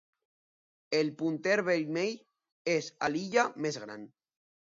El punter vermell és a l'illa més gran.